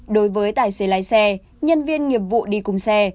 đối với tài xế lái xe nhân viên nghiệp vụ đi cùng xe